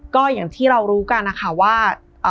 ก็อย่างที่เรารู้กันนะคะว่า